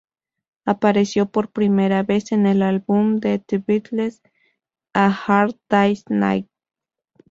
Apareció por primera vez en el álbum de The Beatles "A Hard Day's Night".